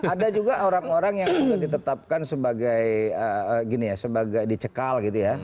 ada juga orang orang yang ditetapkan sebagai di cekal gitu ya